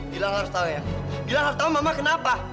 gilang harus tahu ya gilang harus tahu mama kenapa